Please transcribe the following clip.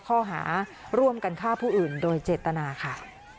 ข้อหาร่วมกันฆ่าผู้อื่นโดยเจตนาค่ะ